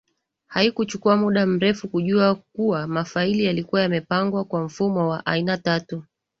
Haikuchukua muda mrefu kujua kuwa mafaili yalikuwa yamepangwa kwa mfumo wa aina tatu